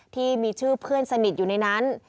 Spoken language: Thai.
ที่มีชื่อเพื่อนสนิทอยู่ในนั้น